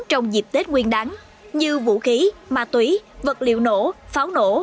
trong dịp tết nguyên đáng như vũ khí ma túy vật liệu nổ pháo nổ